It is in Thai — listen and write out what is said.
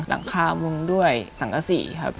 หลังข้ามรุ่งด้วยสังกะสีครับ